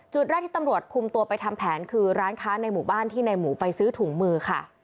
จุดแรกที่ตำรวจคุมตัวไปทำแผนคือร้านค้าในหมู่บ้านที่ในหมูไปซื้อถุงมือค่ะ